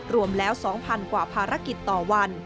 รวมแล้ว๒๐๐๐กว่าภารกิจต่อวัน